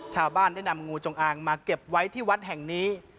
ชาวบ้านได้นำงูจงอางมาเก็บไว้ที่วัดแห่งนี้